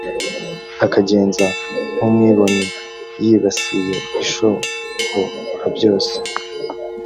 akagenza nk umwibone yibasiye ishoborabyose